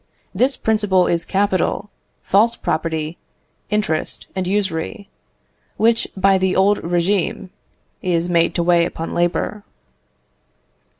This principle is capital, false property, interest, and usury, which by the old régime, is made to weigh upon labour.